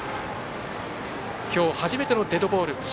きょう初めてのデッドボール。